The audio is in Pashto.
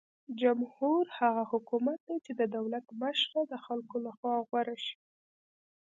جمهور هغه حکومت دی چې د دولت مشره د خلکو لخوا غوره شي.